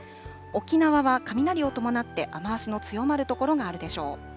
沖縄は雷を伴って、雨足の強まる所があるでしょう。